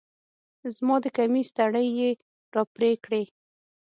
زما د کميس تڼۍ يې راپرې کړې